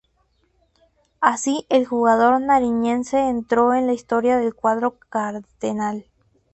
Así, el jugador nariñense entró en la historia del cuadro cardenal.